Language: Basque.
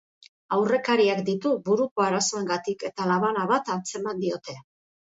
Aurrekariak ditu buruko arazoengatik eta labana bat atzeman diote.